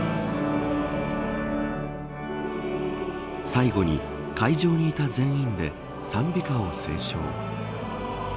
最後に会場にいた全員で讃美歌を斉唱。